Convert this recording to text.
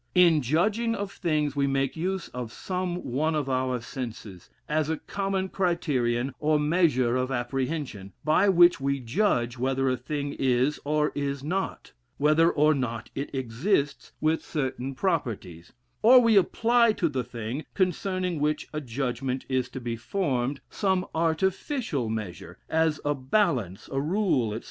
In judging of things we make use of some one of our senses, as a common criterion or measure of apprehension, by which we judge whether a thing is, or is not; or whether or not it exists with certain properties; or we apply to the thing, concerning which a judgment is to be formed, some artificial measure, as a balance, a rule, etc.